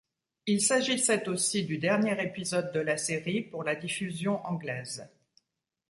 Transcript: Il s'agissait aussi du dernier épisode de la série pour la diffusion anglaise.